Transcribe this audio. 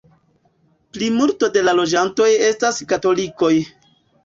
Plimulto de la loĝantoj estas katolikoj.